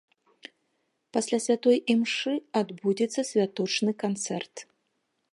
Пасля святой імшы адбудзецца святочны канцэрт.